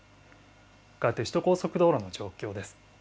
かわって首都高速道路の状況です。